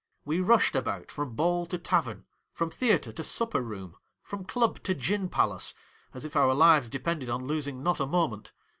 We rushed about from ball to tavern, from theatre to supper room, from club to gin palace, as if our lives depended on losing not a moment.